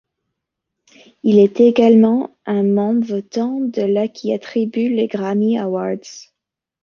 Il est également un membre votant de la qui attribue les Grammy Awards.